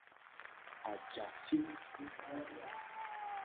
Ajafi vuvu.